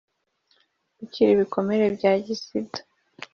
gukira ibikomere bya agisida